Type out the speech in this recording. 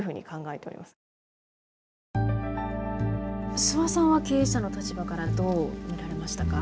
諏訪さんは経営者の立場からどう見られましたか？